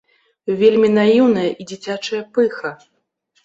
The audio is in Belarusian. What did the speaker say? Вельмі наіўная і дзіцячая пыха.